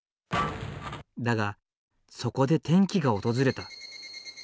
だがそこで転機が訪れた。